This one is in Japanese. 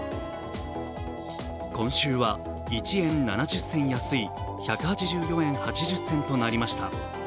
今週は１円７０銭安い１８４円８０銭となりました。